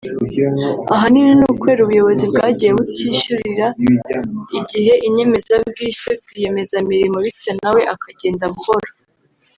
Ahanini ni ukubera ubuyobozi bwagiye butishyurira igihe inyemezabwishyu rwiyemezamirimo bityo na we akagenda buhoro